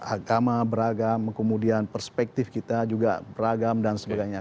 agama beragam kemudian perspektif kita juga beragam dan sebagainya